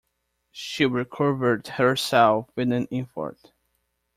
She recovered herself with an effort.